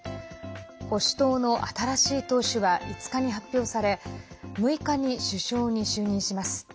保守党の新しい党首は５日に発表され６日に首相に就任します。